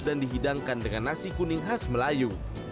dan dihidangkan dengan nasi kuning khas melayu